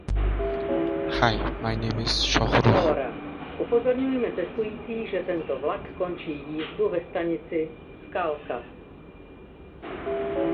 Динамический эллипсис независим.